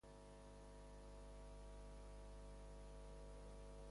Tot eixirà en la colada.